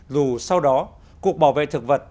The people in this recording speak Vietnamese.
dù sau đó cục bảo vệ thực vật